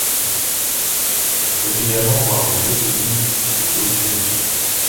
On peut également voir des leucémies pour des doses élevées.